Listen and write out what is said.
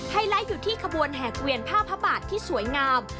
ไลท์อยู่ที่ขบวนแหกเวียนผ้าพระบาทที่สวยงาม